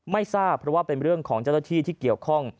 ไม่ทราบเพราะว่าเป็นเรื่องของเจ้าหน้าที่ที่เกี่ยวข้อง